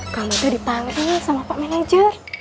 kamu tadi panggil sama pak manager